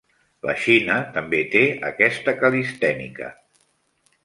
La Xina també té aquesta calistènica.